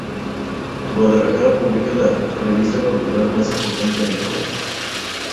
Guadalajara publica la revista cultural más importante en el país.